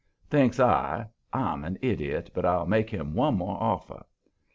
Thinks I, "I'm an idiot, but I'll make him one more offer."